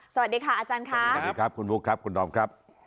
สวัสดีค่ะอาจารย์ค่ะสวัสดีครับคุณบุ๊คครับคุณดอมครับ